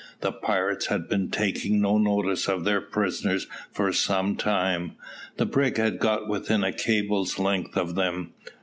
The pirates had been taking no notice of their prisoners for some time. The brig had got within a cable's length of them.